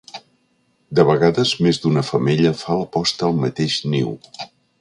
De vegades més d'una femella fa la posta al mateix niu.